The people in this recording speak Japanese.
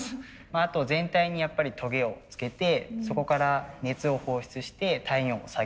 あと全体にやっぱりトゲをつけてそこから熱を放出して体温を下げる。